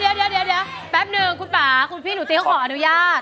เดี๋ยวแป๊บนึงคุณป่าคุณพี่หนูตีเขาขออนุญาต